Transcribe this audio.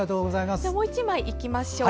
もう１枚、いきましょう。